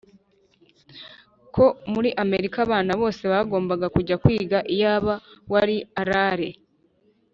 Ko muri amerika abana bose bagombaga kujya kwiga iyaba wari arale